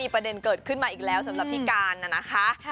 ประเด็นเกิดขึ้นมาอีกแล้วสำหรับพี่การนะคะ